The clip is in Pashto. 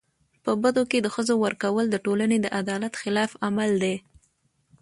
په بدو کي د ښځو ورکول د ټولني د عدالت خلاف عمل دی.